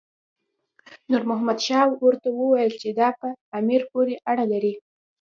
نور محمد شاه ته وویل چې دا په امیر پورې اړه لري.